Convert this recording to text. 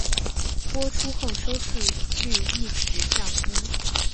播出后收视率一直较低。